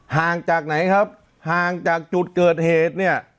ห่างจากไหนครับห่างจากจุดเกิดเหตุเนี่ย